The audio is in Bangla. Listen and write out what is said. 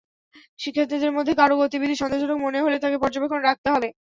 শিক্ষার্থীদের মধ্যে কারও গতিবিধি সন্দেহজনক মনে হলে তাকে পর্যবেক্ষণে রাখতে হবে।